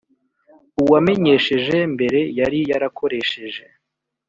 Uwamenyesheje mbere yari yarakoresheje